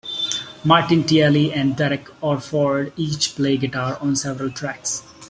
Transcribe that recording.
Martin Tielli and Derek Orford each play guitar on several tracks.